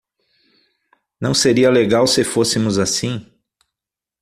Não seria legal se fôssemos assim?